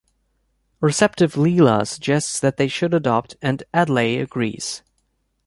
A receptive Leela suggests that they should adopt, and Adlai agrees.